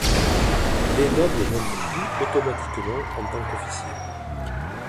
Les nobles n’entrent plus automatiquement en tant qu’officier.